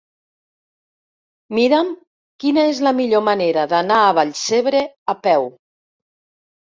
Mira'm quina és la millor manera d'anar a Vallcebre a peu.